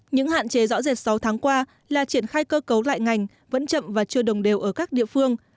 những hạn chế rõ rệt sáu tháng qua là triển khai cơ cấu lại ngành vẫn chậm và chưa đồng đều ở các địa phương